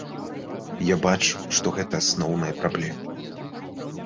Я бачу, што гэта асноўная праблема.